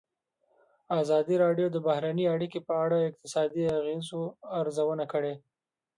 ازادي راډیو د بهرنۍ اړیکې په اړه د اقتصادي اغېزو ارزونه کړې.